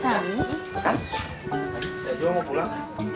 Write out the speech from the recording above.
saya juga mau pulang ah